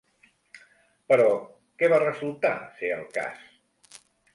Però, què va resultar ser el cas?